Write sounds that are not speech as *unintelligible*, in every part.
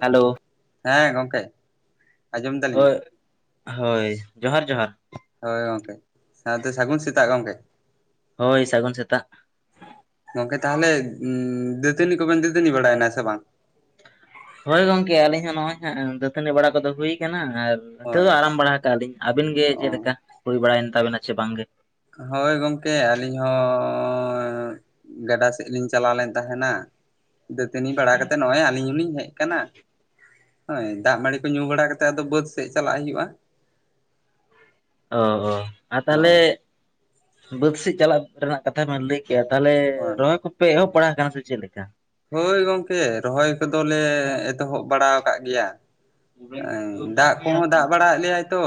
Hello ᱦᱮᱸ ᱜᱚᱝᱠᱮ ᱟᱸᱡᱚᱢ ᱫᱟᱞᱤᱧ ᱦᱳᱭ ᱦᱳᱭ ᱡᱚᱦᱟᱨ ᱡᱚᱦᱟᱨ ᱦᱳᱭ ᱜᱚᱢᱠᱮ ᱥᱟᱶᱛᱮ ᱥᱟᱹᱜᱩᱱ ᱥᱮᱛᱟᱜ ᱜᱚᱢᱠᱮ ᱦᱳᱭ ᱥᱟᱹᱜᱩᱱ ᱥᱮᱛᱟᱜ᱾ ᱜᱚᱝᱠᱮ ᱛᱟᱦᱚᱞᱮ ᱫᱟᱹᱛᱟᱹᱱᱤ ᱠᱚᱵᱮᱱ ᱫᱟᱹᱛᱟᱹᱱᱤ ᱵᱟᱲᱟᱭᱮᱱᱟ ᱥᱮ ᱵᱟᱝ? ᱦᱳᱭ ᱜᱚᱝᱠᱮ ᱟᱹᱞᱤᱧ ᱦᱚᱸ ᱱᱚᱜᱼᱚᱭ ᱦᱟᱸᱜ ᱫᱟᱹᱛᱟᱹᱱᱤ ᱵᱟᱲᱟ ᱠᱚᱫᱚ ᱦᱩᱭ ᱟᱠᱟᱱᱟ ᱟᱨ ᱛᱟᱶ ᱦᱳᱭ ᱟᱨᱟᱢ ᱵᱟᱲᱟ ᱟᱠᱟᱫ ᱟᱞᱤᱧ᱾ ᱟᱹᱵᱤᱱ ᱜᱮ ᱚ ᱪᱮᱫ ᱞᱮᱠᱟ ᱦᱳᱭ ᱵᱟᱲᱟᱭᱮᱱ ᱛᱟᱵᱮᱱᱟ ᱥᱮ ᱵᱟᱝᱜᱮ? ᱦᱳᱭ ᱜᱚᱝᱠᱮ ᱟᱹᱞᱤᱧ ᱦᱚᱸ ᱦᱚᱸ ᱜᱟᱸᱰᱟ ᱥᱮᱫ ᱞᱤᱧ ᱪᱟᱞᱟᱣ ᱞᱮᱱ ᱛᱟᱦᱮᱱᱟ᱾ ᱫᱟᱹᱛᱟᱹᱱᱤ ᱵᱟᱲᱟ ᱠᱟᱛᱮᱜ ᱱᱚᱜᱼᱚᱭ ᱟᱹᱞᱤᱧ ᱦᱚᱸᱞᱤᱧ ᱦᱮᱡ ᱟᱠᱟᱱᱟ᱾ ᱦᱳᱭ ᱫᱟᱜ ᱢᱟᱰᱤ ᱠᱚ ᱧᱩ ᱵᱟᱲᱟ ᱠᱟᱛᱮᱫ ᱟᱫᱚ ᱵᱟᱹᱫ ᱥᱮᱡ ᱪᱟᱞᱟᱜ ᱦᱩᱭᱩᱜᱼᱟ᱾ ᱚ ᱚ ᱟᱨ ᱛᱟᱦᱚᱞᱮ ᱦᱳᱭ ᱵᱟᱹᱫᱽ ᱥᱮᱡᱽ ᱪᱟᱞᱟᱜ ᱨᱮᱱᱟᱜ ᱠᱟᱛᱷᱟ ᱵᱮᱱ ᱞᱟᱹᱭ ᱜᱮᱭᱟ ᱛᱟᱦᱚᱞᱮ ᱦᱳᱭ ᱨᱚᱦᱚᱭ ᱠᱚᱯᱮ ᱮᱦᱚᱵ ᱵᱟᱲᱟ ᱟᱠᱟᱱᱟ ᱥᱮ ᱪᱮᱫ ᱞᱮᱠᱟ? ᱦᱳᱭ ᱜᱚᱝᱠᱮ ᱨᱚᱦᱚᱭ ᱠᱚᱫᱚᱞᱮ ᱮᱛᱚᱦᱚᱵ ᱵᱟᱲᱟ ᱟᱠᱟᱫ ᱜᱮᱭᱟ᱾ ᱫᱟᱜ ᱠᱚᱦᱚᱸ ᱫᱟᱜ ᱵᱟᱲᱟ ᱟᱜ ᱞᱮᱭᱟ ᱛᱚ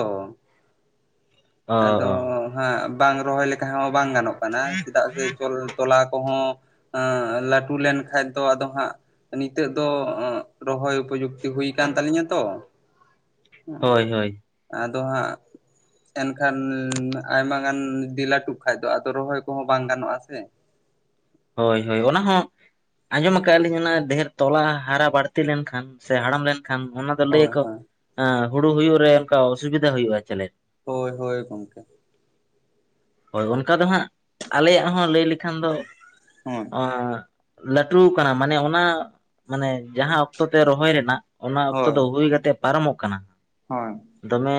ᱚ ᱟᱫᱚ ᱚ ᱦᱟᱜ ᱵᱟᱝ ᱨᱚᱦᱚᱭ ᱞᱮᱠᱷᱟᱱ ᱛᱟᱦᱮ ᱦᱚᱸ ᱵᱟᱝ ᱜᱟᱱᱚᱜ ᱠᱟᱱᱟ ᱪᱮᱫᱟᱜ ᱥᱮ ᱛᱚᱞᱟ ᱠᱚᱦᱚᱸ, ᱟᱸ ᱞᱟᱹᱴᱩ ᱞᱮᱱ ᱠᱟᱱᱡ ᱫᱚ ᱟᱫᱚ ᱦᱟᱸᱜ ᱱᱤᱛᱚᱜ ᱫᱚ ᱨᱚᱦᱚᱭ ᱩᱯᱚᱡᱩᱠᱛᱤ ᱦᱩᱭ ᱟᱠᱟᱱ ᱛᱟᱞᱤᱧᱟ ᱛᱚ ᱦᱮᱸ ᱦᱳᱭ ᱦᱳᱭ ᱟᱫᱚ ᱦᱟᱸᱜ ᱮᱱᱠᱷᱟᱱ ᱟᱭᱢᱟ ᱜᱟᱱ ᱰᱤᱞᱟ ᱴᱩᱜ ᱠᱷᱟᱡ ᱫᱚ ᱟᱫᱚ ᱨᱚᱦᱚᱭ ᱠᱚᱦᱚᱸ ᱵᱟᱝ ᱜᱟᱱᱚᱜᱼᱟ ᱥᱮ᱾ ᱦᱳᱭ ᱦᱳᱭ ᱚᱱᱟ ᱦᱚᱸ ᱟᱸᱡᱚᱢ ᱟᱠᱟᱫ ᱟᱹᱞᱤᱧ ᱚᱱᱟ ᱰᱷᱮᱨ ᱛᱚᱞᱟ ᱦᱟᱨᱟ ᱵᱟᱹᱲᱛᱤ ᱞᱮᱱᱠᱷᱟᱱ ᱥᱮ ᱦᱟᱲᱟᱢ ᱞᱮᱱᱠᱷᱟᱱ ᱚᱱᱟᱼᱼ ᱟᱫᱚ ᱞᱟᱹᱭ ᱦᱳᱭ ᱟᱠᱚ ᱦᱳᱭ ᱦᱩᱲᱩ ᱦᱩᱭᱩᱜ ᱨᱮ ᱚᱱᱠᱟ ᱚᱥᱩᱵᱤᱫᱟ ᱦᱩᱭᱩᱜᱼᱟ ᱪᱚᱞᱮ ᱦᱳᱭ ᱦᱳᱭ ᱜᱚᱢᱠᱮ᱾ ᱦᱳᱭ ᱚᱱᱠᱟ ᱫᱚ ᱦᱟᱸᱜ ᱟᱞᱮᱭᱟᱜ ᱦᱚᱸ ᱞᱟᱹᱭ ᱞᱮᱠᱷᱟᱱ ᱫᱚ ᱦᱳᱭ ᱚᱸ ᱞᱟᱹᱴᱩᱣ ᱟᱠᱟᱱᱟ ᱢᱟᱱᱮ ᱚᱱᱟ ᱢᱟᱱᱮ ᱡᱟᱦᱟᱸ ᱚᱠᱛᱚ ᱛᱮ ᱨᱚᱦᱚᱭ ᱨᱮᱱᱟᱜ ᱚᱱᱟ ᱚᱠᱛᱚ ᱦᱳᱭ ᱫᱚ ᱦᱩᱭ ᱠᱟᱛᱮᱜ ᱯᱟᱨᱚᱢᱚᱜ ᱠᱟᱱᱟ ᱦᱳᱭ ᱫᱚᱢᱮ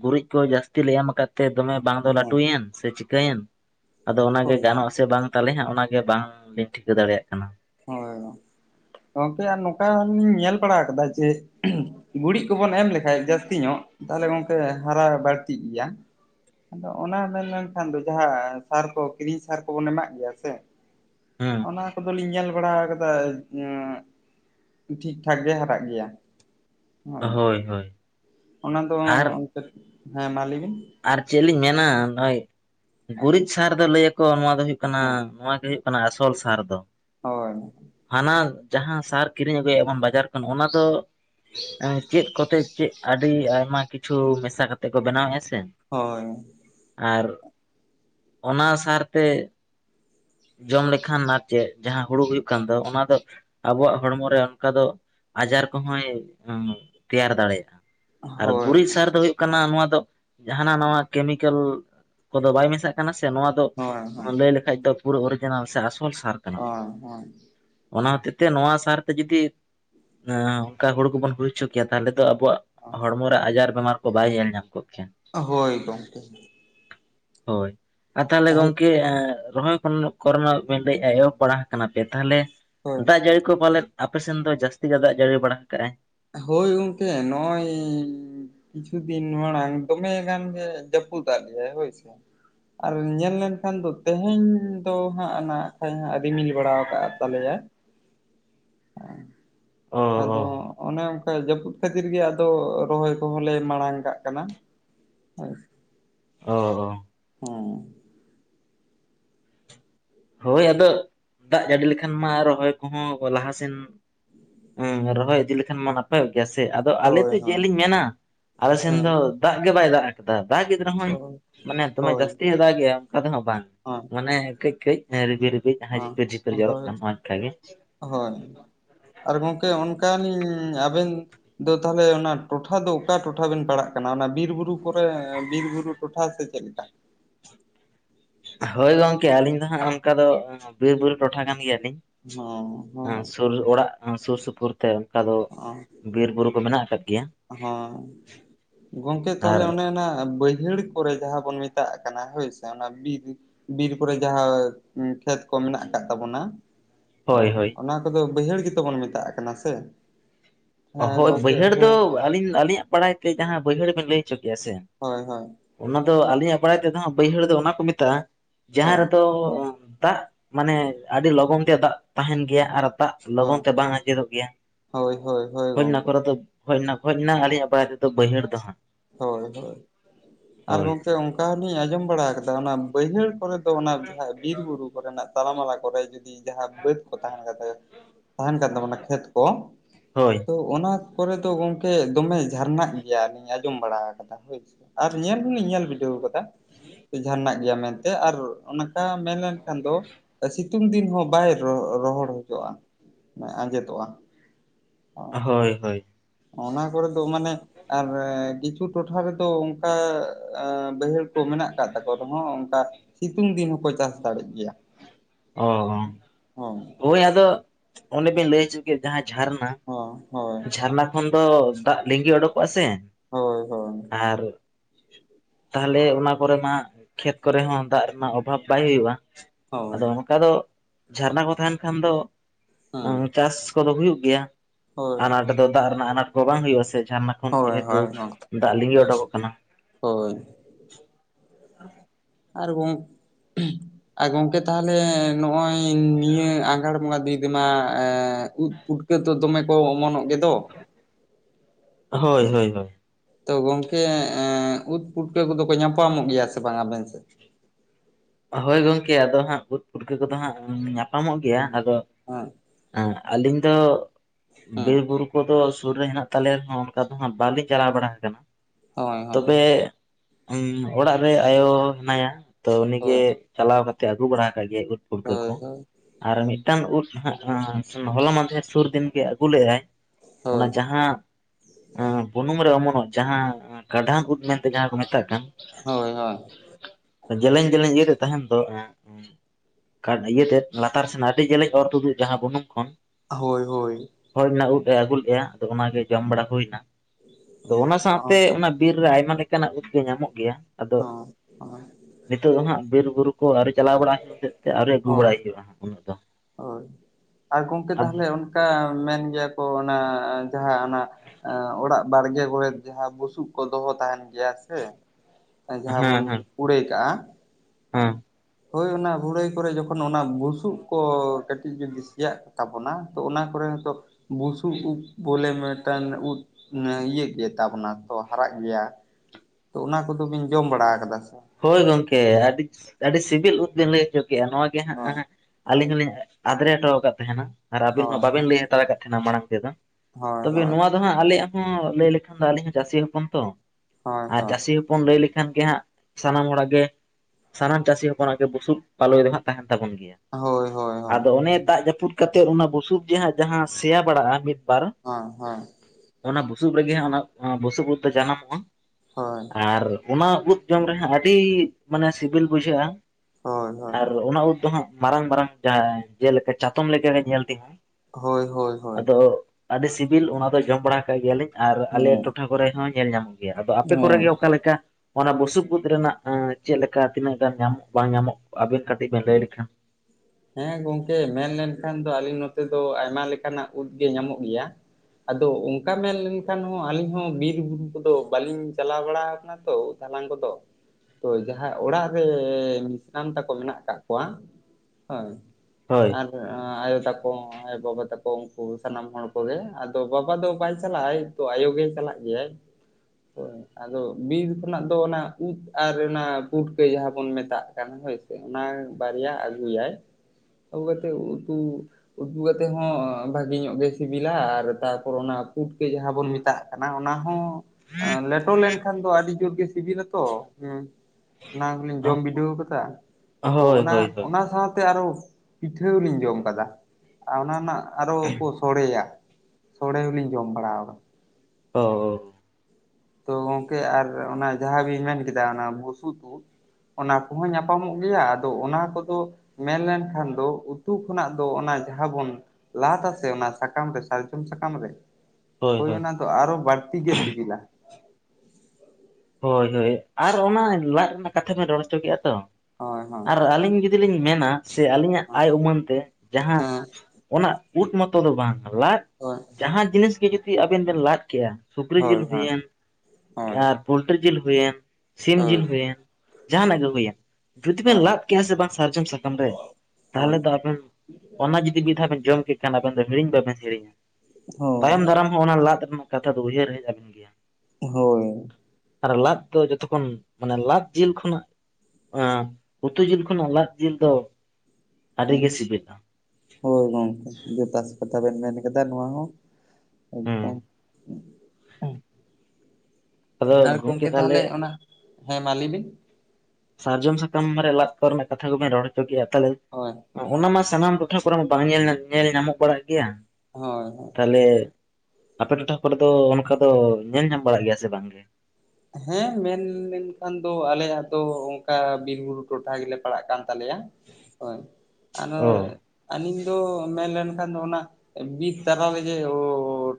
ᱜᱩᱨᱤᱡ ᱠᱚ ᱡᱟᱹᱥᱛᱤ ᱞᱮ ᱮᱢ ᱟᱠᱟᱫ ᱛᱮ ᱫᱚᱢᱮ ᱵᱟᱝ ᱫᱚ ᱦᱳᱭ ᱞᱟᱹᱴᱩᱭᱮᱱ ᱥᱮ ᱪᱤᱠᱟᱹᱭᱮᱱ ᱟᱫᱚ ᱚᱱᱟᱜᱮ ᱜᱟᱱᱚᱜ ᱟᱥᱮ ᱵᱟᱝ ᱛᱟᱦᱞᱮ ᱦᱟᱸᱜ ᱚᱱᱟᱜᱮ ᱵᱟᱝᱞᱤᱧ ᱴᱷᱤᱠᱟᱹ ᱫᱟᱲᱮᱭᱟᱜ ᱠᱟᱱᱟ᱾ ᱦᱳᱭ ᱜᱚᱝᱠᱮ ᱟᱨ ᱱᱚᱝᱠᱟ ᱞᱤᱧ ᱧᱮᱞ ᱵᱟᱲᱟ ᱟᱠᱟᱫᱟ ᱡᱮ ᱜᱩᱲᱤᱡ ᱠᱚᱵᱚᱱ ᱮᱢ ᱞᱮᱠᱷᱟᱱ ᱡᱟᱹᱥᱛᱤ ᱧᱚᱜ ᱛᱟᱦᱞᱮ ᱜᱚᱢᱠᱮ ᱦᱟᱨᱟ ᱵᱟᱹᱲᱛᱤᱜ ᱜᱮᱭᱟ᱾ ᱟᱫᱚ ᱚᱱᱟ ᱢᱮᱱ ᱞᱮᱱᱠᱷᱟᱱ ᱫᱚ ᱡᱟᱦᱟᱸ ᱥᱟᱨ ᱠᱚ ᱠᱤᱨᱤᱧ ᱥᱟᱨ ᱠᱚᱵᱚᱱ ᱮᱢᱟᱜ ᱜᱮᱭᱟ ᱥᱮ᱾ ᱦᱩᱸ ᱚᱱᱟ ᱠᱚᱫᱚᱞᱤᱧ ᱧᱮᱞ ᱵᱟᱲᱟ ᱟᱠᱟᱫᱟ ᱚᱸᱜ ᱴᱷᱤᱠ ᱴᱷᱟᱠ ᱜᱮ ᱦᱟᱨᱟᱜ ᱜᱮᱭᱟ᱾ ᱦᱳᱭ ᱦᱳᱭ ᱚᱱᱟ ᱫᱚ, ᱟᱨ ᱦᱮᱸ ᱢᱟ ᱞᱟᱹᱭᱵᱤᱱ᱾ ᱟᱨ ᱪᱮᱫ ᱞᱤᱧ ᱢᱮᱱᱟ ᱱᱚᱼᱚᱭ ᱜᱩᱨᱤᱡ ᱥᱟᱨ ᱫᱚ ᱞᱟᱹᱭ ᱟᱠᱚ ᱱᱚᱣᱟ ᱫᱚ ᱦᱩᱭᱩᱜ ᱠᱟᱱᱟ ᱦᱮᱸ ᱱᱚᱣᱟ ᱜᱮ ᱦᱩᱭᱩᱜ ᱠᱟᱱᱟ ᱚᱱᱟ ᱟᱥᱚᱞ ᱥᱟᱨ ᱫᱚ ᱦᱳᱭ ᱦᱟᱱᱟ ᱡᱟᱦᱟᱸ ᱥᱟᱨ ᱠᱤᱨᱤᱧ ᱟᱹᱜᱩᱭᱮᱫ ᱵᱚᱱ ᱵᱟᱡᱟᱨ ᱠᱷᱚᱱ ᱚᱱᱟ ᱫᱚ ᱪᱮᱫ ᱠᱚᱛᱮ ᱪᱮᱫ ᱟᱹᱰᱤ ᱟᱭᱢᱟ ᱠᱤᱪᱷᱩ ᱢᱮᱥᱟ ᱠᱟᱛᱮᱫ ᱠᱚ ᱵᱮᱱᱟᱣᱮᱫᱼᱟ ᱥᱮ᱾ ᱦᱳᱭ ᱟᱨ ᱚᱱᱟ ᱥᱟᱨᱛᱮ ᱡᱚᱢ ᱞᱮᱠᱷᱟᱱ ᱟᱨ ᱪᱮᱫ ᱡᱟᱦᱟᱸ ᱦᱩᱲᱩ ᱦᱩᱭᱩᱜ ᱠᱟᱱ ᱫᱚ ᱚᱱᱟ ᱫᱚ ᱟᱵᱚᱣᱟᱜ ᱦᱚᱲᱢᱚ ᱨᱮ ᱚᱱᱠᱟ ᱫᱚ ᱟᱡᱟᱨ ᱠᱚᱦᱚᱸᱭ ᱛᱮᱭᱟᱨ ᱫᱟᱲᱮᱭᱟᱜᱼᱟ᱾ ᱟᱨ ᱦᱳᱭ ᱜᱩᱨᱤᱡ ᱥᱟᱨ ᱫᱚ ᱦᱩᱭᱩᱜ ᱠᱟᱱᱟ ᱱᱚᱣᱟ ᱫᱚ ᱡᱟᱦᱱᱟᱜ ᱱᱚᱣᱟ ᱠᱮᱢᱤᱠᱮᱞ ᱠᱚᱫᱚ ᱵᱟᱭ ᱢᱮᱥᱟᱜ ᱠᱟᱱᱟ ᱥᱮ ᱱᱚᱣᱟ ᱫᱚ ᱦᱳᱭ ᱦᱳᱭ ᱞᱟᱹᱭ ᱞᱮᱠᱷᱼᱼ ᱠᱷᱟᱡ ᱫᱚ ᱯᱩᱨᱟᱹ ᱚᱨᱤᱡᱤᱱᱟᱞ ᱥᱮ ᱟᱥᱚᱞ ᱥᱟᱨ ᱠᱟᱱᱟ ᱚ ᱦᱮᱸ ᱚᱱᱟ ᱦᱚᱛᱮᱡ ᱛᱮ ᱱᱚᱣᱟ ᱥᱟᱨ ᱛᱮ ᱡᱩᱫᱤ ᱟ ᱚᱱᱠᱟ ᱦᱩᱲᱩ ᱠᱚᱵᱚᱱ ᱦᱩᱭᱼᱼ ᱚᱪᱩ ᱠᱮᱭᱟ ᱛᱟᱦᱚᱞᱮ ᱫᱚ ᱟᱵᱚᱣᱟᱜ ᱦᱳᱭ ᱦᱚᱲᱢᱚ ᱨᱮ ᱟᱡᱟᱨ ᱵᱮᱢᱟᱨ ᱠᱚ ᱵᱟᱭ ᱧᱮᱞ ᱧᱟᱢ ᱠᱚᱜ ᱠᱮᱭᱟ᱾ ᱦᱳᱭ ᱜᱚᱢᱠᱮ ᱦᱳᱭ ᱟᱨ ᱛᱟᱦᱚᱞᱮ ᱜᱚᱝᱠᱮ ᱮᱸ ᱨᱚᱦᱚᱭ ᱠᱷᱚᱼᱼ ᱠᱚᱨᱱᱟ ᱵᱮᱱ ᱞᱟᱹᱭᱮᱫᱼᱟ ᱮᱦᱚᱵ ᱵᱟᱲᱟ ᱟᱠᱟᱱᱟ ᱯᱮ ᱛᱟᱦᱚᱞᱮ ᱦᱳᱭ ᱫᱟᱜ ᱡᱟᱹᱲᱤ ᱠᱚ ᱯᱟᱞᱮ ᱟᱯᱮᱥᱮᱱ ᱫᱚ ᱡᱟᱹᱥᱛᱤ ᱜᱮ ᱫᱟᱜ ᱡᱟᱹᱲᱤ ᱵᱟᱲᱟ ᱠᱟᱜᱼᱟᱭ ᱦᱳᱭ ᱜᱚᱝᱠᱮ ᱱᱚᱜᱼᱚᱭ ᱠᱤᱪᱷᱩ ᱫᱤᱱ ᱢᱟᱲᱟᱝ ᱫᱚᱢᱮ ᱜᱟᱱ ᱜᱮ ᱡᱟᱹᱯᱩᱫ ᱫᱟᱜ ᱠᱮᱫᱟᱭ ᱦᱳᱭᱥᱮ᱾ ᱟᱨ ᱧᱮᱞ ᱞᱮᱱᱠᱷᱟᱱ ᱫᱚ ᱛᱮᱦᱮᱧ ᱫᱚ ᱦᱟᱸᱜ ᱱᱟᱜ ᱠᱷᱟᱡ ᱨᱤᱢᱤᱞ ᱵᱟᱲᱟ ᱟᱠᱟᱫ ᱛᱟᱞᱮᱭᱟ ᱚ ᱚ ᱟᱫᱚ ᱚᱱᱮ ᱚᱸᱼᱼ ᱡᱟᱹᱯᱩᱫ ᱠᱷᱟᱹᱛᱤᱨ ᱜᱮ ᱟᱫᱚ ᱨᱚᱦᱚᱭ ᱠᱚᱦᱚᱸ ᱞᱮ ᱢᱟᱲᱟᱝ ᱠᱟᱜ ᱠᱟᱱᱟ ᱚ ᱦᱮᱸ ᱦᱳᱭ ᱟᱫᱚ, ᱫᱟᱜ ᱡᱟᱹᱲᱤ ᱞᱮᱠᱷᱟᱱ ᱢᱟ ᱨᱚᱦᱚᱭ ᱠᱚᱦᱚᱸ ᱞᱟᱦᱟᱥᱮᱱ ᱦᱮᱸ ᱨᱚᱦᱚᱭ ᱤᱫᱤ ᱞᱮᱠᱷᱟᱱ ᱢᱟ ᱱᱟᱼ ᱜᱮᱭᱟ ᱥᱮ ᱟᱫᱚ ᱟᱞᱮ ᱦᱳᱭ ᱥᱮᱪ ᱦᱳᱭ ᱡᱮᱞᱤᱧ ᱢᱮᱱᱟ ᱟᱞᱮ ᱥᱮᱱ ᱦᱮᱸ ᱫᱚ ᱫᱟᱜ ᱜᱮ ᱵᱟᱭ ᱫᱟᱜ ᱟᱠᱟᱫᱟ ᱫᱟᱜᱽᱮ ᱨᱮᱦᱚᱸᱭ ᱦᱳᱭ ᱢᱟᱱᱮ ᱫᱚᱢᱮ ᱡᱟᱹᱥᱛᱤᱭᱮ ᱫᱟ ᱜᱮᱭᱟ ᱚᱱᱠᱟ ᱫᱚᱦᱟᱸᱜ ᱵᱟᱝ᱾ ᱦᱚᱸ ᱢᱟᱱᱮ ᱠᱟᱹᱡ ᱠᱟᱹᱡ ᱨᱤᱵᱤ ᱨᱤᱵᱤ ᱡᱟᱦᱟᱸ ᱡᱷᱤᱯᱤᱨ ᱡᱷᱤᱯᱤᱨ ᱡᱚᱨᱚᱜ ᱦᱳᱭ ᱠᱟᱱ ᱱᱚᱣᱟ ᱱᱤᱠᱟᱜᱮ ᱦᱳᱭ ᱟᱨ ᱜᱚᱝᱠᱮ ᱚᱱᱠᱟ ᱞᱤᱧ ᱟᱵᱮᱱ ᱟᱫᱚ ᱛᱟᱦᱞᱮ ᱚᱱᱟ ᱴᱚᱴᱷᱟ ᱫᱚ ᱚᱠᱟ ᱴᱚᱴᱷᱟ ᱵᱮᱱ ᱯᱟᱲᱟᱜ ᱠᱟᱱᱟ ᱚᱱᱟ ᱵᱤᱨᱵᱩᱨᱩ ᱠᱚᱨᱮ ᱵᱤᱨᱵᱩᱨᱩ? ᱴᱚᱴᱷᱟ ᱥᱮ ᱪᱮᱫ ᱞᱮᱠᱟ? ᱦᱳᱭ ᱜᱚᱝᱠᱮ ᱟᱹᱞᱤᱧ ᱫᱚ ᱦᱟᱸᱜ ᱚᱱᱠᱟ ᱫᱚ ᱵᱤᱨᱵᱩᱨᱩ ᱴᱚᱴᱷᱟ ᱠᱟᱱ ᱜᱮᱭᱟᱞᱤᱧ *unintelligible* ᱥᱩᱨ ᱚᱲᱟᱜ ᱥᱩᱨ ᱥᱩᱯᱩᱨ ᱛᱮ ᱚᱱᱠᱟ ᱫᱚ ᱦᱚᱸ ᱵᱤᱨ ᱵᱩᱨᱩ ᱠᱚ ᱢᱮᱱᱟᱜ ᱟᱠᱟᱫ ᱜᱮᱭᱟ ᱦᱚᱸ ᱜᱚᱝᱠᱮ ᱟᱨ ᱛᱟᱦᱚᱞᱮ ᱚᱱᱮ ᱚᱱᱟ ᱵᱟᱹᱭᱦᱟᱹᱲ ᱠᱚᱨᱮ ᱡᱟᱦᱟᱸ ᱵᱚᱱ ᱢᱮᱛᱟᱜ ᱠᱟᱱᱟ ᱦᱳᱭᱥᱮ ᱚᱱᱟ ᱵᱤᱨ ᱵᱤᱨ ᱠᱚᱨᱮ ᱡᱟᱦᱟᱸ ᱠᱷᱮᱛ ᱠᱚ ᱢᱮᱱᱟᱜ ᱟᱠᱟᱫ ᱛᱟᱵᱚᱱᱟ ᱦᱳᱭ ᱮᱸ ᱦᱳᱭ ᱚᱱᱟ ᱠᱚᱫᱚ ᱵᱟᱹᱭᱦᱟᱹᱲ ᱜᱮᱛ ᱵᱚᱱ ᱢᱮᱛᱟᱜ ᱠᱟᱱᱟ ᱥᱮ ᱦᱮᱸ ᱦᱳᱭ ᱜᱚᱝᱠᱮ ᱵᱟᱹᱭᱦᱟᱹᱲ ᱦᱳᱭ ᱫᱚ ᱟᱹᱞᱤᱧ ᱟᱹᱞᱤᱧᱟᱜ ᱵᱟᱲᱟᱭ ᱛᱮ ᱡᱟᱦᱟᱸ ᱵᱟᱹᱭᱦᱟᱹᱲ ᱵᱮᱱ ᱞᱟᱹᱭ ᱦᱚᱪᱚ ᱠᱮᱜ-ᱟ ᱥᱮ ᱦᱚᱭ ᱦᱚᱭ ᱚᱱᱟ ᱫᱚ ᱟᱹᱞᱤᱧᱟᱜ ᱵᱟᱲᱟᱭ ᱛᱮᱫᱚ ᱦᱟᱸᱜ ᱵᱟᱹᱭᱦᱟᱹᱲ ᱫᱚ ᱚᱱᱟ ᱠᱚ ᱢᱮᱛᱟᱜᱼᱟ ᱡᱟᱦᱟᱸ ᱦᱳᱭ ᱨᱮᱫᱚ ᱫᱟᱜ ᱢᱟᱱᱮ ᱟᱹᱰᱤ ᱞᱚᱜᱚᱱ ᱛᱮ ᱫᱟᱜ ᱛᱟᱦᱮᱱ ᱜᱮᱭᱟ ᱟᱨ ᱫᱟᱜ ᱞᱚᱜᱚᱱ ᱦᱳᱭ ᱛᱮ ᱵᱟᱝ ᱟᱸᱡᱮᱫᱚᱜ ᱜᱮᱭᱟ ᱦᱳᱭ ᱦᱳᱭ ᱦᱳᱭ ᱦᱚᱡ ᱚᱱᱟ ᱜᱚᱝᱠᱮ ᱠᱚᱨᱮ ᱫᱚ ᱦᱚᱡ ᱱᱟ ᱦᱚᱡ ᱚᱱᱟ ᱟᱹᱞᱤᱧᱟᱜ ᱵᱟᱲᱟᱭ ᱛᱮᱫᱚ ᱵᱟᱹᱭᱦᱟᱹᱲ ᱫᱚ ᱦᱟᱸᱜ ᱦᱳᱭ ᱦᱳᱭ᱾ ᱟᱨ ᱦᱳᱭ ᱜᱚᱝᱠᱮ ᱚᱱᱠᱟ ᱦᱚᱞᱤᱧ ᱟᱸᱡᱚᱢ ᱵᱟᱲᱟ ᱟᱠᱟᱫᱟ ᱚᱱᱟ ᱵᱟᱹᱭᱦᱟᱹᱲ ᱠᱚᱨᱮ ᱫᱚ ᱚᱱᱟ ᱡᱟᱦᱟᱸ ᱵᱤᱨ ᱵᱩᱨᱩ ᱠᱚᱨᱮᱱᱟᱜ ᱛᱟᱞᱟ-ᱢᱟᱞᱟ ᱠᱚᱨᱮ ᱡᱩᱫᱤ ᱡᱟᱦᱟᱸ ᱵᱟᱹᱫᱽ ᱠᱚ ᱛᱟᱦᱮᱱ ᱛᱟᱦᱮᱱ ᱠᱟᱱ ᱛᱟᱵᱚᱱᱟ ᱠᱷᱮᱛ ᱠᱚ ᱦᱳᱭ ᱛᱚ ᱚᱱᱟ ᱠᱚᱨᱮ ᱫᱚ ᱜᱚᱝᱠᱮ ᱫᱚᱢᱮᱜ ᱡᱷᱟᱨᱱᱟᱜ ᱜᱮᱭᱟ ᱞᱤᱧ ᱡᱚᱢ ᱵᱟᱲᱟ ᱟᱠᱟᱫᱟ ᱦᱳᱭ ᱥᱮ ᱟᱨ ᱧᱮᱞ ᱦᱩᱸᱞᱤᱧ ᱧᱮᱞ ᱵᱤᱰᱟᱹᱣ ᱟᱠᱟᱫᱟ ᱡᱷᱟᱨᱱᱟᱜ ᱜᱮᱭᱟ ᱢᱮᱱᱛᱮ ᱟᱨ ᱚᱱᱠᱟ ᱢᱮᱱᱞᱮᱱ ᱠᱷᱟᱱ ᱫᱚ ᱟᱹᱥᱤ ᱛᱩᱝ ᱫᱤᱱ ᱦᱚᱸ ᱵᱟᱭ ᱨᱚᱦᱚᱲ ᱦᱚᱫᱚᱜᱼᱟ ᱟᱸᱡᱮᱫᱚᱜᱼᱟ ᱦᱳᱭ ᱦᱳᱭ᱾ ᱚᱱᱟ ᱠᱚᱨᱮ ᱫᱚ ᱢᱟᱱᱮ ᱟᱨ ᱠᱤᱪᱷᱩ ᱴᱚᱴᱷᱟ ᱨᱮᱫᱚ ᱚᱱᱠᱟ ᱟᱸ... ᱵᱟᱹᱭᱦᱟᱹᱲ ᱠᱚ ᱢᱮᱱᱟᱜ ᱟᱠᱟᱫ ᱛᱟᱠᱚ ᱨᱮᱦᱚᱸ ᱚᱱᱠᱟ ᱥᱤᱛᱩᱝ ᱫᱤᱱ ᱦᱚᱸᱠᱚ ᱪᱟᱥ ᱫᱟᱲᱮᱜ ᱜᱮᱭᱟ᱾ ᱚ-ᱚ ᱦᱚᱸ ᱦᱳᱭ ᱟᱫᱚ ᱚᱱᱮ ᱵᱮᱱ ᱞᱟᱹᱭ ᱦᱚᱪᱚ ᱠᱮᱫ ᱡᱟᱦᱟᱸ ᱡᱷᱟᱨᱱᱟ ᱦᱚᱸ ᱦᱳᱭ ᱡᱷᱟᱨᱱᱟ ᱠᱷᱚᱱ ᱫᱚ ᱫᱟᱜ ᱞᱤᱸᱜᱤ ᱚᱰᱚᱠᱚᱜᱼᱟ ᱥᱮ ᱦᱳᱭ ᱦᱳᱭ ᱟᱨ ᱛᱟᱦᱚᱞᱮ ᱚᱱᱟ ᱠᱚᱨᱮ ᱢᱟ ᱠᱷᱮᱛ ᱠᱚᱨᱮ ᱦᱚᱸ ᱫᱟᱜ ᱨᱮᱱᱟᱜ ᱚᱵᱷᱟᱵᱽ ᱵᱟᱭ ᱦᱳᱭᱳᱜᱼᱟ ᱦᱳᱭ ᱟᱫᱚ ᱚᱱᱠᱟ ᱫᱚ ᱡᱷᱟᱨᱱᱟ ᱠᱚ ᱛᱟᱦᱮᱱ ᱠᱷᱟᱱ ᱫᱚ ᱦᱮᱸ ᱪᱟᱥ ᱠᱚᱫᱚ ᱦᱩᱭᱩᱜ ᱜᱮᱭᱟ ᱦᱳᱭ ᱟᱱᱟᱴ ᱫᱚ ᱫᱟᱜ ᱨᱮᱱᱟᱜ ᱟᱱᱟᱴ ᱠᱚ ᱵᱟᱝ ᱦᱩᱭᱩᱜ ᱟ ᱥᱮ ᱡᱷᱟᱨᱱᱟ ᱠᱷᱚᱱ ᱦᱳᱭ ᱡᱮᱦᱮᱛᱩ ᱦᱳᱭ ᱫᱟᱜ ᱞᱤᱸᱜᱤ ᱚᱰᱚᱠᱚᱜ ᱠᱟᱱᱟ ᱦᱳᱭ ᱟᱨ ᱜᱚᱝᱠᱮ ᱛᱟᱦᱚᱞᱮ ᱱᱚᱜᱼᱚᱭ ᱱᱤᱭᱟᱹ ᱟᱸᱜᱷᱟᱲ ᱵᱚᱸᱜᱟ ᱫᱤᱫ ᱨᱮᱢᱟ ᱩᱫ ᱯᱩᱴᱠᱟᱹ ᱛᱚ ᱫᱚᱢᱮ ᱠᱚ ᱚᱢᱚᱱᱚᱜ ᱜᱮᱛᱚ ᱦᱳᱭ ᱦᱳᱭ ᱦᱳᱭ ᱛᱚ ᱜᱚᱝᱠᱮ ᱩᱫ ᱯᱩᱴᱠᱟᱹ ᱠᱚᱫᱚ ᱠᱚ ᱧᱟᱯᱟᱢᱚᱜ ᱜᱮᱭᱟ ᱥᱮ ᱵᱟᱝ ᱟᱵᱮᱱ ᱥᱮᱫ ᱦᱳᱭ ᱜᱚᱝᱠᱮ ᱟᱫᱚ ᱦᱟᱸᱜ ᱩᱫ ᱯᱩᱴᱠᱟᱹ ᱠᱚᱫᱚ ᱦᱟᱸᱜ ᱧᱟᱯᱟᱢᱚᱜ ᱜᱮᱭᱟ ᱟᱫᱚ ᱦᱮᱸ ᱦᱮᱸ ᱟᱹᱞᱤᱧ ᱫᱚ ᱦᱮᱸ ᱵᱤᱨ-ᱵᱩᱨᱩ ᱠᱚ ᱫᱚ ᱥᱩᱨ ᱨᱮ ᱦᱮᱱᱟᱜ ᱛᱟᱞᱮ ᱨᱮᱦᱚᱸ ᱚᱱᱠᱟ ᱫᱚ ᱦᱟᱸᱜ ᱵᱟᱞᱤᱧ ᱪᱟᱞᱟᱣ ᱵᱟᱲᱟ ᱦᱟᱠᱟᱱᱟ ᱦᱳᱭ ᱦᱳᱭ ᱛᱚᱵᱮ ᱚᱲᱟᱜ ᱨᱮ ᱟᱭᱳ ᱦᱮᱱᱟᱭᱟ ᱛᱚ ᱩᱱᱤ ᱦᱳᱭ ᱜᱮ ᱪᱟᱞᱟᱣ ᱠᱟᱛᱮᱫ ᱟᱹᱜᱩ ᱵᱟᱲᱟ ᱦᱟᱠᱟᱜ ᱜᱮᱭᱟᱭ ᱩᱫ ᱯᱩᱴᱠᱟᱹ ᱠᱚ ᱦᱳᱭ ᱦᱳᱭ ᱟᱨ ᱢᱤᱫᱴᱟᱝ ᱩᱫ ᱦᱟᱸᱜ ᱦᱚᱞᱟ ᱢᱟᱸᱫᱷᱮᱨ ᱥᱩᱨᱫᱤᱱ ᱜᱮ ᱟᱹᱜᱩ ᱞᱮᱜ-ᱟᱭ ᱚᱱᱟ ᱦᱳᱭ ᱡᱟᱦᱟᱸ ᱵᱩᱱᱩᱢ ᱨᱮ ᱚᱢᱚᱱᱚᱜ ᱡᱟᱦᱟᱸ ᱠᱟᱰᱟᱷᱟ ᱩᱫ ᱢᱮᱱᱛᱮ ᱡᱟᱦᱟᱸ ᱠᱚ ᱢᱮᱛᱟᱜ ᱠᱟᱱ ᱦᱳᱭ ᱦᱳᱭ ᱡᱮᱞᱮᱧ ᱡᱮᱞᱮᱧ ᱤᱭᱟᱹᱛᱮ ᱛᱟᱦᱮᱱ ᱫᱚ᱾ ᱮᱸᱻ ᱤᱭᱟᱹᱛᱮ ᱞᱟᱛᱟᱨ ᱥᱮᱱᱟᱜ ᱟᱹᱰᱤ ᱡᱮᱞᱧ ᱚᱨ ᱛᱩᱫᱩᱜ ᱡᱟᱦᱟᱸ ᱵᱩᱱᱩᱝ ᱠᱷᱚᱱ ᱦᱳᱭ ᱦᱳᱭ ᱦᱚᱭᱱᱟ ᱩᱫ ᱮ ᱟᱹᱜᱩᱞ ᱞᱮᱫᱼᱟ ᱟᱫᱚ ᱚᱱᱟᱜᱮ ᱡᱚᱢ ᱵᱟᱲᱟ ᱦᱩᱭᱱᱟ ᱟᱫᱚ ᱚᱱᱟ ᱥᱟᱶᱛᱮ ᱦᱚᱸ ᱚᱱᱟ ᱵᱤᱨ ᱨᱮ ᱟᱭᱢᱟ ᱞᱮᱠᱟᱱᱟᱜ ᱩᱫ ᱠᱚ ᱧᱟᱢᱚᱜ ᱜᱮᱭᱟ ᱟᱫᱚ ᱦᱚᱸ ᱦᱳᱭ ᱱᱤᱛᱚᱜ ᱫᱚ ᱦᱟᱸᱜ ᱵᱤᱨ-ᱵᱩᱨᱩ ᱠᱚ ᱟᱣᱨᱤ ᱪᱟᱞᱟᱣ ᱵᱟᱲᱟᱜ ᱦᱩᱭᱩᱜᱼᱟ ᱦᱚᱛᱮᱫ ᱛᱮ ᱟ. ᱣᱨᱤ ᱟᱹᱜᱩ ᱦᱳᱭ ᱵᱟᱲᱟᱭ ᱦᱩᱭᱩᱜᱼᱟ ᱩᱱᱟᱹᱜ ᱫᱚ ᱦᱳᱭ ᱟᱨ ᱜᱚᱝᱠᱮ ᱟᱫᱚ ᱛᱟᱦᱚᱞᱮ ᱚᱱᱠᱟ ᱢᱮᱱ ᱜᱮᱭᱟ ᱠᱚ ᱚᱱᱟ ᱡᱟᱦᱟᱸ ᱚᱱᱟ ᱮᱸ ᱚᱲᱟᱜ ᱵᱟᱲᱜᱮ ᱠᱚᱨᱮᱫ ᱡᱟᱦᱟᱸ ᱵᱩᱥᱩᱵ ᱠᱚ ᱫᱚᱦᱚ ᱛᱟᱦᱮᱱ ᱜᱮᱭᱟ ᱥᱮ᱾ ᱡᱟᱦᱟᱸ ᱦᱮᱸ ᱵᱚᱱ ᱦᱮᱸ ᱠᱩᱲᱟᱹᱭ ᱠᱟᱜᱼᱟ ᱦᱮᱸ ᱦᱳᱭ ᱚᱱᱟ ᱵᱷᱩᱲᱟᱹᱭ ᱠᱚᱨᱮ ᱡᱚᱠᱷᱚᱱ ᱚᱱᱟ ᱵᱩᱥᱩᱵ ᱠᱚ ᱠᱟᱹᱴᱤᱡ ᱡᱩᱫᱤ ᱥᱮᱭᱟᱜ ᱛᱟᱵᱚᱱᱟ ᱛᱚ ᱚᱱᱟ ᱠᱚᱨᱮ ᱦᱚᱛᱚᱜ ᱵᱩᱥᱩᱵ ᱩᱵ ᱵᱚᱞᱮ ᱢᱮᱴᱟᱱ ᱩᱵ ᱤᱭᱟᱹᱜ ᱜᱮᱛᱟ ᱵᱚᱱᱟ ᱛᱚ ᱦᱟᱨᱟᱜ ᱜᱮᱭᱟ ᱛᱚ ᱚᱱᱟ ᱠᱚᱫᱚ ᱵᱤᱱ ᱡᱚᱢ ᱵᱟᱲᱟ ᱟᱠᱟᱫᱟ ᱥᱮ? ᱦᱳᱭ ᱜᱚᱢᱠᱮ ᱟᱹᱰᱤ ᱟᱹᱰᱤ ᱥᱤᱵᱤᱞ ᱩᱫ ᱵᱤᱱ ᱞᱟᱹᱭ ᱦᱚᱪᱚ ᱠᱮ-ᱟ ᱱᱚᱣᱟᱜ ᱜᱮ ᱦᱟᱸᱜ᱾ ᱦᱳᱭ ᱟᱹᱞᱤᱧ ᱦᱚᱸᱞᱤᱧ ᱟᱫᱨᱮ ᱦᱚᱴᱚ ᱟᱠᱟᱫ ᱛᱟᱦᱮᱱᱟ ᱟᱨ ᱟᱹᱵᱤᱱ ᱦᱚᱸ ᱵᱟᱵᱤᱱ ᱞᱟᱹᱭ ᱦᱟᱛᱟᱲ ᱟᱠᱟᱫ ᱛᱟᱦᱮᱱᱟ ᱢᱟᱲᱟᱝ ᱛᱮᱫᱚ᱾ ᱛᱚᱵᱮ ᱱᱚᱣᱟ ᱫᱚ ᱦᱟᱸᱜ ᱟᱞᱮᱭᱟᱜ ᱦᱚᱸ ᱞᱟᱹᱭ ᱞᱮᱠᱷᱟᱱ ᱫᱚ ᱟᱞᱤᱧ ᱦᱚᱸ ᱪᱟᱹᱥᱤ ᱦᱚᱯᱚᱱ ᱛᱚ, ᱟᱨ ᱪᱟᱹᱥᱤ ᱦᱚᱯᱚᱱ ᱵᱚᱱ ᱞᱟᱹᱭ ᱞᱮᱠᱷᱟᱱ ᱜᱮ ᱦᱟᱸᱜ ᱥᱟᱱᱟᱢ ᱦᱚᱲᱟᱜ ᱜᱮ ᱥᱟᱱᱟᱢ ᱪᱟᱹᱥᱤ ᱦᱚᱯᱚᱱᱟᱜ ᱜᱮ ᱵᱩᱥᱩᱵ ᱯᱟᱞᱚᱭ ᱫᱚ ᱦᱟᱸᱜ ᱛᱟᱦᱮᱱ ᱛᱟᱵᱚᱱ ᱜᱮᱭᱟ᱾ ᱟᱫᱚ ᱚᱱᱮ ᱫᱟᱜ ᱡᱟᱹᱯᱩᱫ ᱠᱟᱛᱮᱫ ᱚᱱᱟ ᱵᱩᱥᱩᱵ ᱡᱟᱦᱟᱸ ᱥᱮᱭᱟ ᱵᱟᱲᱟᱜᱼᱟ ᱢᱤᱫ ᱵᱟᱨ ᱦᱚᱸ ᱦᱚᱸ ᱚᱱᱟ ᱵᱩᱥᱩᱵ ᱨᱮᱜᱮ ᱚᱱᱟ ᱵᱩᱥᱩᱵ ᱩᱫᱚ ᱡᱟᱱᱟᱢᱚᱜᱼᱟ᱾ ᱦᱳᱭ ᱟᱨ ᱚᱱᱟ ᱩᱵ ᱡᱚᱢ ᱨᱮᱦᱚᱸ ᱟᱹᱰᱤ ᱢᱟᱱᱮ ᱥᱤᱵᱤᱞ ᱵᱩᱡᱷᱟᱹᱜᱼᱟ᱾ ᱟᱨ ᱚᱱᱟ ᱩᱫ ᱫᱚ ᱦᱟᱸᱜ ᱢᱟᱨᱟᱝ ᱢᱟᱨᱟᱝ ᱡᱟᱦᱟᱸ ᱡᱮᱞᱮᱠᱟ ᱪᱟᱛᱚᱢ ᱞᱮᱠᱟᱜᱮ ᱧᱮᱞ ᱛᱤᱧᱚᱸ ᱦᱳᱭ ᱦᱳᱭ ᱟᱫᱚ ᱟᱹᱰᱤ ᱥᱤᱵᱤᱞ ᱚᱱᱟ ᱫᱚ ᱡᱚᱢ ᱵᱟᱲᱟ ᱠᱟᱜ ᱜᱮᱭᱟᱞᱤᱧ ᱟᱨ ᱟᱞᱮ ᱦᱮᱸ ᱴᱚᱴᱷᱟ ᱠᱷᱚᱱ ᱠᱚᱨᱮ ᱦᱚᱸ ᱧᱮᱞ ᱧᱟᱢᱚᱜ ᱜᱮᱭᱟ ᱟᱫᱚ ᱟᱯᱮ ᱦᱮᱸ ᱠᱚᱨᱮᱮ ᱚᱠᱟ ᱞᱮᱠᱟ ᱚᱱᱟ ᱵᱩᱥᱩᱵ ᱩᱫ ᱨᱮᱱᱟᱜ ᱮᱸᱻ ᱪᱮᱫ ᱞᱮᱠᱟ ᱛᱤᱱᱟᱹᱜ ᱜᱟᱱ ᱧᱟᱢᱚᱜ ᱵᱟᱝ ᱧᱟᱢᱚᱜ ᱟᱵᱤᱱ ᱠᱟᱹᱴᱤᱡ ᱵᱮᱱ ᱞᱟᱹᱭ ᱞᱮᱠᱷᱟᱱ? ᱦᱮᱸ ᱜᱚᱝᱠᱮ ᱢᱮᱱ ᱞᱮᱱᱠᱷᱟᱱ ᱫᱚ ᱟᱞᱤᱧ ᱱᱚᱛᱮ ᱫᱚ ᱟᱭᱢᱟ ᱞᱮᱠᱟᱱᱟᱜ ᱩᱫ ᱜᱮ ᱧᱟᱢᱚᱜ ᱜᱮᱭᱟ᱾ ᱟᱫᱚ ᱚᱱᱠᱟ ᱢᱮᱱ ᱞᱮᱱᱠᱷᱟᱱ ᱦᱚᱸ ᱟᱹᱞᱤᱧ ᱦᱚᱸ ᱵᱤᱨ ᱵᱩᱨᱩ ᱠᱚᱫᱚ ᱵᱟᱹᱞᱤᱧ ᱪᱟᱞᱟᱣ ᱵᱟᱲᱟ ᱟᱠᱟᱱᱟ ᱛᱚ᱾ ᱫᱟᱞᱟᱝ ᱠᱚᱫᱚ ᱛᱚ ᱡᱟᱦᱟᱸᱭ ᱚᱲᱟᱜ ᱨᱮ ᱢᱤᱥᱨᱟᱢ ᱛᱟᱠᱚ ᱢᱮᱱᱟᱜ ᱟᱠᱟᱜ ᱠᱚᱣᱟ᱾ ᱚᱭ, ᱦᱳᱭ ᱟᱨ ᱫᱚ ᱟᱭᱚ ᱛᱟᱠᱚ ᱦᱚᱸ ᱟᱭᱳ-ᱵᱟᱵᱟ ᱛᱟᱠᱚ ᱩᱱᱠᱩ ᱥᱟᱱᱟᱢ ᱦᱚᱲ ᱠᱚᱜᱮ᱾ ᱟᱫᱚ ᱵᱟᱵᱟ ᱫᱚ ᱵᱟᱭ ᱪᱟᱞᱟᱜ ᱟᱭ ᱛᱚ ᱟᱭᱳ ᱜᱮᱭ ᱪᱟᱞᱟᱜ ᱜᱮᱭᱟᱭ᱾ ᱦᱳᱭ *inaudible* ᱟᱫᱚ ᱵᱤᱨ ᱠᱷᱚᱱᱟᱜ ᱫᱚ ᱚᱱᱟ ᱩᱫ ᱟᱨ ᱚᱱᱟ ᱯᱩᱴᱠᱟᱹᱭ ᱡᱟᱦᱟᱸ ᱵᱚᱱ ᱢᱮᱛᱟᱜ ᱠᱟᱱᱟ, ᱦᱳᱭ᱾ ᱚᱱᱟ ᱵᱟᱨᱭᱟ ᱟᱹᱜᱩᱭᱟᱭ᱾ ᱟᱜᱩ ᱠᱟᱛᱮ ᱩᱛᱩ ᱩᱛᱩ ᱠᱟᱛᱮᱫ ᱦᱚᱸ ᱵᱷᱟᱹᱜᱤ ᱧᱚᱜ ᱜᱮ ᱥᱤᱵᱤᱞᱟ ᱟᱨ ᱛᱟᱨᱯᱚᱨ ᱚᱱᱟ ᱯᱩᱴᱠᱡ ᱡᱟᱦᱟᱸ ᱵᱚᱱ ᱢᱮᱛᱟᱜ ᱚᱱᱟ ᱦᱚᱸ ᱞᱮᱴᱚ ᱞᱮᱱᱠᱷᱟᱱ ᱫᱚ ᱟᱹᱰᱤ ᱡᱳᱨ ᱜᱮ ᱥᱤᱵᱤᱱᱟ ᱛᱚ᱾ ᱦᱩᱸ ᱚᱱᱟ ᱠᱚᱞᱤᱧ ᱡᱚᱢ ᱵᱤᱰᱟᱹᱣ ᱟᱠᱟᱫᱟ᱾ ᱛᱚ ᱦᱳᱭ ᱚᱱᱟ ᱦᱳᱭ ᱦᱳᱭ ᱚᱱᱟ ᱥᱟᱶ ᱚᱱᱟᱛᱮ ᱟᱨᱚ ᱯᱤᱴᱷᱟᱹ ᱞᱤᱧ ᱡᱚᱢ ᱠᱟᱫᱟ᱾ ᱚᱱᱟ ᱨᱮᱱᱟᱜ ᱟᱨᱚ ᱠᱚ ᱥᱚᱲᱮᱭᱟ᱾ ᱥᱳᱲᱮ ᱦᱚᱸ ᱞᱤᱧ ᱡᱚᱢ ᱵᱟᱲᱟᱫᱟ᱾ ᱚ ᱛᱚ ᱜᱚᱝᱠᱮ ᱟᱨ ᱚᱱᱟ ᱡᱟᱦᱟᱸᱵᱤ ᱢᱮᱱᱠᱟ ᱚᱱᱟ ᱵᱩᱥᱩ ᱩᱫ ᱚᱱᱟ ᱠᱚᱦᱚᱸ ᱧᱟᱯᱟᱢᱚᱜ ᱜᱮᱭᱟ ᱟᱫᱚ ᱚᱱᱟ ᱠᱚᱫᱚ ᱢᱮᱱ ᱞᱮᱱ ᱠᱷᱟᱱ ᱫᱚ ᱩᱛᱩ ᱠᱷᱚᱱᱟᱜ ᱫᱚ ᱚᱱᱟ ᱡᱟᱦᱟᱸ ᱵᱚᱱ ᱞᱟᱛᱟ ᱥᱮ ᱚᱱᱟ ᱥᱟᱠᱟᱢ ᱨᱮ ᱥᱟᱨᱡᱚᱢ ᱥᱟᱠᱟᱢ ᱨᱮ᱾ ᱦᱳᱭ ᱚᱱᱟ ᱫᱚ ᱟᱨᱚ ᱵᱟᱹᱲᱛᱤ ᱜᱮ ᱥᱤᱵᱤᱞᱟ᱾ ᱦᱳᱭ ᱦᱳᱭ ᱟᱨ ᱚᱱᱟ ᱞᱟᱫ ᱨᱮᱱᱟᱜ ᱠᱟᱛᱷᱟ ᱵᱮᱱ ᱨᱚᱲ ᱦᱚᱪᱚ ᱠᱮᱫ-ᱟ ᱛᱚ ᱦᱳᱭ ᱟᱨ ᱟᱹᱞᱤᱧ ᱡᱩᱫᱤ ᱡᱩᱫᱤ ᱞᱤᱧ ᱢᱮᱱᱟ ᱥᱮ ᱟᱹᱞᱤᱧᱟᱜ ᱟᱭ ᱩᱢᱟᱹᱱ ᱛᱮ ᱡᱟᱦᱟᱸ ᱚᱱᱟ ᱩᱫ ᱢᱚᱛᱚ ᱫᱚ ᱵᱟᱝ ᱞᱟᱫᱽ ᱦᱳᱭ ᱡᱟᱦᱟᱸ ᱡᱤᱱᱤᱥ ᱜᱮ ᱡᱩᱫᱤ ᱟᱵᱮᱱ ᱵᱮᱱ ᱞᱟᱫ ᱠᱮᱜᱼᱟ, ᱥᱩᱠᱨᱤ ᱦᱳᱭ ᱡᱤᱞ ᱦᱮᱸ ᱦᱩᱭᱮᱱ ᱦᱳᱭ ᱦᱳᱭ ᱟᱨ ᱯᱳᱞᱴᱨᱤ ᱡᱤᱞ ᱦᱩᱭᱮᱱ, ᱦᱳᱭ ᱥᱤᱢ ᱦᱳᱭ ᱡᱤᱞ ᱦᱳᱭ ᱦᱩᱭᱮᱱ, ᱡᱟᱦᱟᱱᱟᱜ ᱜᱮ ᱦᱩᱭᱮᱱ, ᱡᱩᱫᱤ ᱵᱮᱱ ᱦᱳᱭ ᱞᱟᱫ ᱠᱮᱭᱟ ᱥᱮ ᱵᱟᱝ ᱥᱟᱨᱡᱚᱢ ᱥᱟᱠᱟᱢ ᱨᱮ, ᱦᱳᱭ ᱛᱟᱦᱚᱞᱮ ᱫᱚ ᱟᱵᱮᱱ ᱚᱱᱟ ᱡᱩᱫᱤ ᱢᱤᱫ ᱫᱷᱟᱣ ᱵᱮᱱ ᱡᱚᱢ ᱠᱮᱫ ᱠᱷᱟᱱ ᱟᱵᱮᱱ ᱫᱚ ᱦᱤᱲᱤᱧ ᱵᱟᱵᱮᱱ ᱦᱤᱲᱤᱧᱟ᱾ ᱛᱟᱭᱚᱢ ᱦᱳᱭ ᱫᱟᱨᱟᱢ ᱚᱱᱟ ᱞᱟᱫ ᱨᱮᱱᱟᱜ ᱠᱟᱛᱷᱟ ᱫᱚ ᱩᱭᱦᱟᱹᱨ ᱦᱮᱡ ᱟᱵᱮᱱ ᱜᱮᱭᱟ᱾ ᱦᱳᱭ ᱟᱨ ᱞᱟᱫ ᱫᱚ ᱡᱚᱛᱚᱠᱷᱚᱱ ᱢᱟᱱᱮ ᱞᱟᱫ ᱡᱤᱞ ᱠᱷᱚᱱᱟᱜ ᱩᱛᱩ ᱡᱤᱞ ᱠᱷᱚᱱᱟᱜ ᱞᱟᱫ ᱡᱤᱞ ᱫᱚ ᱟᱹᱰᱤ ᱦᱩᱸ ᱜᱮ ᱥᱤᱵᱤᱞᱟ᱾ ᱦᱳᱭ ᱜᱚᱢᱠᱮ ᱡᱚᱛᱟᱥ ᱠᱟᱛᱷᱟ ᱵᱮᱱ ᱢᱮᱱ ᱠᱟᱫᱟ ᱱᱚᱣᱟ ᱦᱚᱸ, ᱦᱮᱸ ᱮᱠᱫᱚᱢ ᱟᱫᱚ ᱟᱨ ᱜᱚᱝᱠᱮ ᱜᱚᱢᱠᱮ ᱛᱟᱦᱚᱞᱮ ᱚᱱᱟ, ᱦᱮᱸ ᱢᱟ ᱞᱟᱹᱭ ᱵᱤᱱ ᱥᱟᱨᱡᱚᱢ ᱥᱟᱠᱟᱢ ᱨᱮ ᱞᱟ ᱠᱚ ᱢᱮ ᱠᱟᱛ ᱠᱚ ᱨᱚᱲ ᱦᱚᱪᱚ ᱠᱤᱭᱟᱭᱟ ᱛᱟᱦᱚᱞᱮ ᱦᱳᱭ ᱚᱱᱟ ᱢᱟ ᱥᱟᱱᱟᱢ ᱴᱚᱴᱷᱟ ᱠᱚᱨᱮ ᱢᱟ ᱵᱟᱝ ᱧᱮᱞ ᱧᱮᱞ ᱧᱟᱢᱚᱜ ᱵᱟᱲᱟᱜ ᱜᱮᱭᱟ ᱦᱳᱭ ᱦᱳᱭ ᱛᱟᱦᱞᱮ ᱟᱯᱮ ᱴᱚᱴᱷᱟ ᱠᱚᱨᱮ ᱫᱚ ᱚᱱᱠᱟ ᱫᱚ ᱧᱮᱞ ᱧᱟᱢ ᱵᱟᱲᱟᱜ ᱜᱮᱭᱟ ᱥᱮ ᱵᱟᱝ ᱜᱮ᱾ ᱦᱮᱸ ᱢᱮᱱ ᱞᱮᱠᱷᱟᱱ ᱫᱚ ᱟᱞᱮᱭᱟᱜ ᱫᱚ ᱚᱱᱠᱟ ᱵᱤᱨ ᱵᱩᱨᱩ ᱴᱚᱴᱷᱟ ᱜᱮᱞᱮ ᱯᱟᱲᱟᱜ ᱠᱟᱱ ᱛᱟᱞᱮᱭᱟ ᱦᱳᱭ ᱟᱫᱚ ᱚ ᱟᱹᱞᱤᱧ ᱫᱚ ᱢᱮᱱᱞᱱᱠᱷᱟᱱ ᱫᱚ ᱚᱱᱟ ᱵᱤᱨ ᱛᱟᱨᱟ ᱨᱮᱜᱮ ᱚ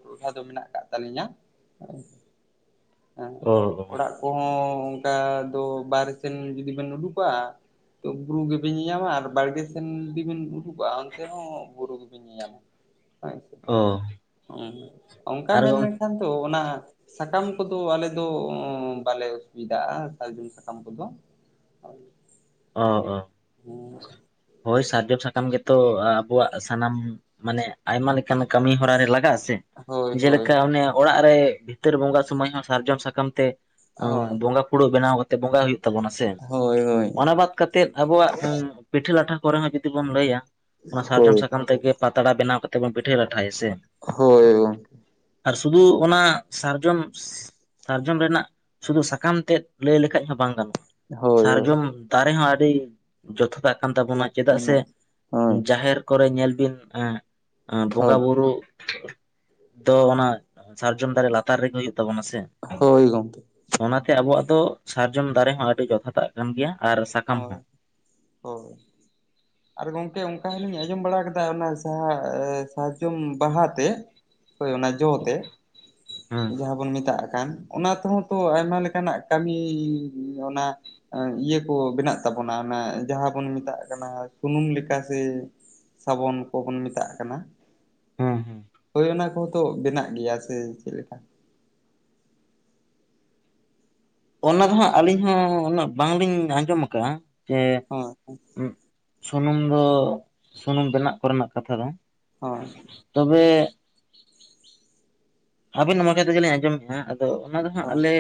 ᱴᱚᱴᱷᱟ ᱫᱚ ᱢᱮᱱᱟᱜ ᱟᱠᱟᱫ ᱛᱟᱞᱤᱧᱟ᱾ ᱚ ᱚ ᱠᱚᱦᱚᱸ ᱚᱱᱠᱟ ᱫᱚ ᱵᱟᱨᱮ ᱥᱮᱱ ᱡᱩᱫᱤ ᱵᱤᱱ ᱩᱰᱩᱠᱚᱜ-ᱟ ᱛᱚ ᱵᱩᱨᱩ ᱜᱮᱵᱤᱱ ᱧᱤᱧᱟᱢᱟ ᱟᱨ ᱵᱟᱲᱜᱮ ᱥᱮᱱ ᱡᱩᱫᱤᱵᱤᱱ ᱩᱰᱩ ᱠᱚᱜ-ᱟ ᱚᱱᱛᱮ ᱦᱚᱸ ᱵᱩᱨᱩ ᱜᱮᱵᱤᱱ ᱧᱮᱧᱟᱢᱳᱜ ᱟᱪᱪᱷᱟ ᱚ ᱦᱩᱸ ᱚᱱᱠᱟ ᱟᱨ ᱢᱮᱱ ᱜᱚᱝ ᱞᱮᱠᱷᱟᱱ ᱫᱚ ᱚᱱᱟ ᱥᱟᱠᱟᱢ ᱠᱚᱫᱚ ᱟᱞᱮ ᱫᱚ ᱵᱟᱞᱮ ᱚᱥᱩᱵᱤᱫᱟᱜ-ᱟ ᱥᱟᱨᱡᱚᱢ ᱥᱟᱠᱟᱢ ᱠᱚᱫᱚ *unintelligible* ᱚ ᱚ ᱦᱳᱭ ᱥᱟᱨᱡᱚᱢ ᱥᱟᱠᱟ ᱟᱢ ᱜᱮᱛᱚ ᱟᱵᱚᱣᱟᱜ ᱥᱟᱱᱟᱢ ᱢᱟᱱᱮ ᱟᱭᱢᱟ ᱞᱮᱠᱟᱱ ᱠᱟᱹᱢᱤ ᱦᱚᱨᱟ ᱨᱮ ᱞᱟᱜᱟᱜᱼᱟ ᱥᱮ ᱦᱳᱭ ᱦᱳᱭ ᱡᱮᱞᱮᱠᱟ ᱚᱱᱮ ᱚᱲᱟᱜ ᱨᱮ ᱵᱷᱤᱛᱟᱹᱨ ᱵᱚᱸᱜᱟ ᱥᱚᱢᱚᱭ ᱦᱚᱸ ᱥᱟᱨᱡᱚᱢ ᱥᱟᱠᱟᱢ ᱛᱮ ᱦᱳᱭ ᱵᱚᱸᱜᱟ ᱯᱷᱩᱲᱩᱜ ᱵᱮᱱᱟᱣ ᱠᱟᱛᱮᱜ ᱵᱚᱸᱜᱟ ᱦᱩᱭᱩᱜ ᱛᱟᱵᱚᱱᱟ ᱥᱮ ᱦᱳᱭ ᱦᱳᱭ ᱚᱱᱟ ᱵᱟᱫ ᱠᱟᱛᱮᱜ ᱟᱵᱚᱣᱟᱜ ᱯᱤᱴᱷᱟᱹ ᱞᱟᱴᱷᱟ ᱠᱚᱨᱮ ᱦᱚᱸ ᱡᱩᱫᱤ ᱵᱚᱱ ᱞᱟᱹᱭᱟ ᱚᱱᱟ ᱥᱟᱨᱡᱚᱢ ᱦᱳᱭ ᱥᱟᱠᱟᱢ ᱛᱮᱜᱮ ᱯᱟᱛᱲᱟ ᱵᱮᱱᱟᱣ ᱠᱟᱛᱮ ᱵᱚᱱ ᱯᱤᱴᱷᱟᱹ ᱞᱟᱴᱷᱟᱭᱟ ᱥᱮ ᱦᱳᱭ ᱜ ᱟᱨ ᱥᱩᱫᱩ ᱚᱱᱟ ᱥᱟᱨᱡᱚᱢ ᱥᱟᱨᱡᱚᱢ ᱨᱮᱱᱟᱜ ᱥᱩᱫᱷᱩ ᱥᱟᱠᱟᱢ ᱛᱮᱫ ᱞᱟᱹᱭ ᱞᱮᱠᱷᱟᱡ ᱦᱚᱸ ᱵᱟᱝ ᱜᱟᱱᱚᱜ-ᱟ ᱦᱳᱭ ᱦᱳᱭ ᱥᱟᱨᱡᱚᱢ ᱫᱟᱨᱮ ᱦᱚᱸ ᱟᱹᱰᱤ ᱡᱚᱛᱷᱚ ᱦᱟᱜ ᱠᱟᱱ ᱛᱟᱵᱳᱱᱟ ᱞᱟᱹᱠᱛᱤ ᱪᱮᱫᱟᱜ ᱥᱮ ᱨᱮᱱᱟᱜ ᱦᱳᱭ ᱡᱟᱦᱮᱨ ᱠᱚᱨᱮ ᱧᱮᱞ ᱵᱤᱱ ᱵᱚᱸᱜᱟ ᱦᱳᱭ ᱵᱩᱨᱩ ᱫᱚ ᱚᱱᱟ ᱥᱟᱨᱡᱚᱢ ᱫᱟᱨᱮ ᱞᱟᱛᱟᱨ ᱨᱮᱜᱮ ᱦᱩᱭᱩᱜ ᱛᱟᱵᱚᱱᱟ ᱥᱮ ᱦᱳᱭ ᱜᱚᱝᱠᱮ ᱚᱱᱟᱛᱮ ᱟᱵᱚᱣᱟᱜ ᱫᱚ ᱥᱟᱨᱡᱚᱢ ᱫᱟᱨᱮ ᱦᱚᱸ ᱟᱹᱰᱤ ᱡᱚᱛᱷᱟᱛᱟᱜ ᱠᱟᱱ ᱜᱮᱭᱟ ᱟᱨ ᱥᱟᱠᱟᱢ ᱦᱚᱸ ᱦᱳᱭ ᱛᱳ *inaudible* ᱟᱨ ᱜᱚᱝᱠᱮ ᱚᱱᱠᱟ ᱦᱚᱸᱞᱤᱧ ᱟᱸᱡᱚᱢ ᱵᱟᱲᱟ ᱠ। ᱠᱟᱫᱟ ᱚᱱᱟ ᱥᱟᱨᱡᱟᱢ ᱵᱟᱦᱟ ᱛᱮ ᱦᱳᱭ ᱚᱱᱟ ᱡᱚ ᱛᱮ ᱦᱮᱸ ᱡᱟᱦᱟᱸ ᱵᱚᱱ ᱢᱮᱛᱟᱜ ᱠᱟᱱ ᱚᱱᱟ ᱛᱮᱦᱚᱸ ᱛᱚ ᱟᱭᱢᱟ ᱞᱮᱠᱟᱱᱟᱜ ᱠᱟᱹᱢᱤ ᱚᱱᱟ ᱤᱭᱟᱹ ᱚ ᱵᱮᱱᱟᱜ ᱛᱟᱵᱚᱱᱟ ᱚᱱᱟ ᱡᱟᱦᱟᱸ ᱵᱚᱱ ᱢᱮᱛᱟᱜ ᱠᱟᱱᱟ ᱥᱩᱱᱩᱢ ᱞᱮᱠᱟ ᱥᱮ ᱥᱟᱵᱚᱱ ᱠᱚᱵᱚᱱ ᱢᱮᱛᱟᱜ ᱠᱟᱱᱟ ᱦᱮᱸ ᱦᱮᱸ ᱦᱳᱭ ᱚᱱᱟ ᱠᱚᱦᱚᱸ ᱛᱚ ᱵᱮᱱᱟᱜ ᱜᱮᱭᱟ ᱥᱮ ᱪᱮᱫᱞᱮᱠᱟ ᱚᱱᱟ ᱫᱚ ᱦᱟᱸᱜ ᱟᱹᱞᱤᱧ ᱦᱚᱸ ᱩᱱᱟᱹᱜ ᱵᱟᱝᱞᱤᱧ ᱟᱸᱡᱚᱢ ᱠᱟᱜᱼᱟ ᱡᱮ ᱦᱳᱭ ᱥᱩᱱᱩᱢ ᱫᱚ ᱥᱩᱱᱩᱢ ᱵᱮᱱᱟᱜ ᱠᱚᱨᱮᱱᱟᱜ ᱠᱟᱛᱷᱟ ᱫᱚ ᱦᱳᱭ ᱛᱚᱵᱮ ᱟᱵᱤᱱ ᱢᱚᱪᱟ ᱛᱮᱜᱮᱞᱤᱧ ᱟᱸᱡᱚᱢ ᱮᱸᱜᱼᱟ ᱟᱫᱚ ᱚᱱᱟ ᱫᱚ ᱦᱟᱸᱜ ᱦᱳᱭ ᱟᱞᱮ